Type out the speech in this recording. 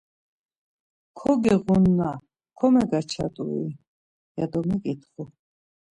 Kogiğunanna komegaçat̆ui? ya do meǩitxu.